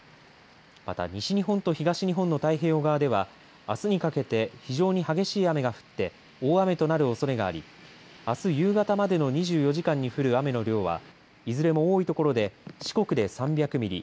また西日本と東日本の太平洋側ではあすにかけて非常に激しい雨が降って大雨となるおそれがありあす夕方までの２４時間に降る雨の量はいずれも多いところで四国で３００ミリ